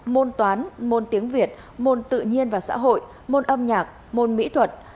môn toán môn tiếng việt môn tự nhiên và xã hội môn âm nhạc môn mỹ thuật